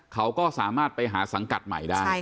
เขาก็สามารถไปหาสังกัดใหม่ได้